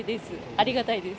ありがたいです。